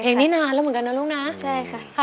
เพลงนี้นานแล้วเหมือนกันนะลูกนะใช่ค่ะ